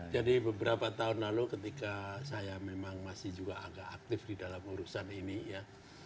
jadi beberapa tahun lalu ketika saya memang masih juga agak aktif di dalam urusan ini ya